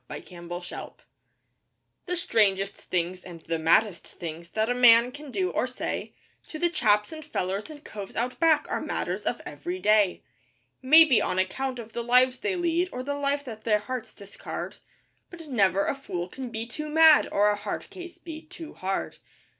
THE STRANGER'S FRIEND The strangest things, and the maddest things, that a man can do or say, To the chaps and fellers and coves Out Back are matters of every day; Maybe on account of the lives they lead, or the life that their hearts discard But never a fool can be too mad or a 'hard case' be too hard.